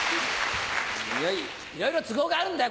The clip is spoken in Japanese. いろいろ都合があるんだよ